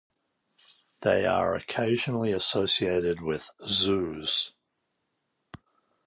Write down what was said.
They are occasionally associated with zoos.